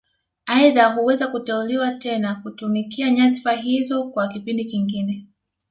Aidha huweza kuteuliwa tena kutumikia nyadhifa hizo kwa kipindi kingine